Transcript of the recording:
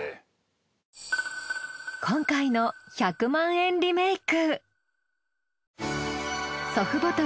今回の１００万円リメイク。